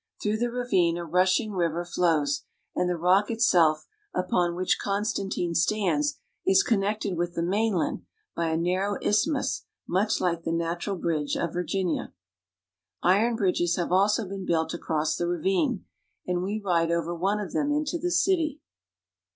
Through the ravine a rushing river flows, and the rock itself upon which Constantine stands is connected with the mainland by a narrow isthmus much like the Natural Bridge of Virginia. Iron bridges have also been built across the ravine, and we ride over one of them into the city.